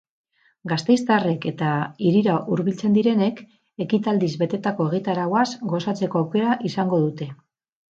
Gasteiztarrek eta hirira hurbiltzen direnek ekitaldiz betetako egitarauaz gozatzeko aukera izango dute.